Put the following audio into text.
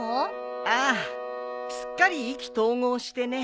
ああすっかり意気投合してね。